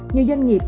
nhiều doanh nghiệp